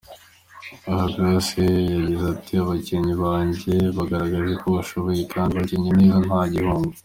Aha Grace yagize ati : “Abakinnyi banjye bagaragaje ko bashoboye kandi bakinnye neza nta gihunga.